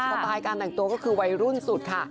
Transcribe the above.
สไตล์การแต่งตัวก็คือวัยรุ่นสุดค่ะ